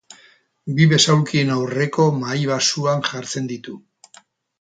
Bi besaulkien aurreko mahai baxuan jartzen ditu.